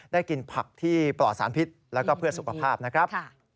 กินผักที่ปลอดสารพิษแล้วก็เพื่อสุขภาพนะครับ